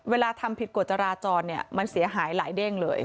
เวลาทำผิดกฎจราจรเนี่ยมันเสียหายหลายเด้งเลย